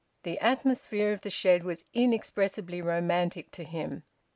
The atmosphere of the shed was inexpressibly romantic to him.